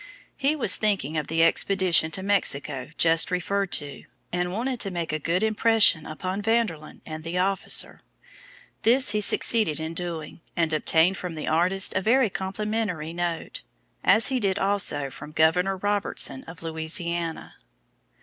He was thinking of the expedition to Mexico just referred to, and wanted to make a good impression upon Vanderlyn and the officer. This he succeeded in doing, and obtained from the artist a very complimentary note, as he did also from Governor Robertson of Louisiana.